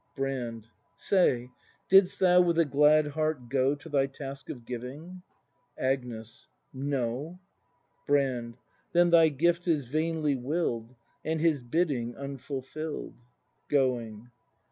Brand. Say, Didst thou with a glad heart go. To thy task of giving ? Agnes. No. Brand. Then thy gift is vainly will'd And Ilis bidding unfulfill'd. [Going.